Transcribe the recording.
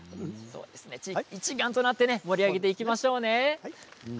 地域一丸となって盛り上げていきましょうね。